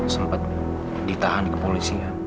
sempet ditahan kepolisian